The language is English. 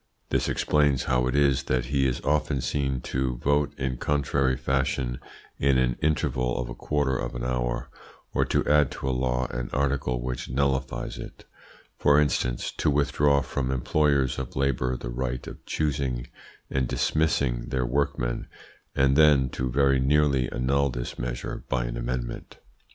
This explains how it is that he is often seen to vote in contrary fashion in an interval of a quarter of an hour or to add to a law an article which nullifies it; for instance, to withdraw from employers of labour the right of choosing and dismissing their workmen, and then to very nearly annul this measure by an amendment.